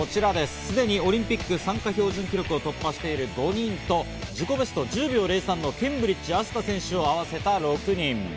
すでにオリンピック参加標準記録を突破している５人と、自己ベスト１０秒０３のケンブリッジ飛鳥選手を合わせた６人。